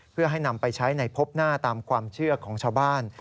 เพื่อให้นำไปใช้ในพบหน้าตามความเชื่อของชาวบ้าน